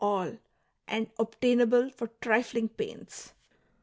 all^ and obtainable for tricing pains.